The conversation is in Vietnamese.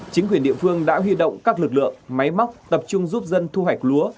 chính quyền địa phương đã huy động các lực lượng máy móc tập trung giúp dân thu hoạch lúa